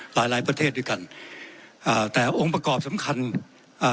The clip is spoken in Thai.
หลายหลายประเทศด้วยกันอ่าแต่องค์ประกอบสำคัญอ่า